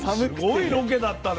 すごいロケだったね。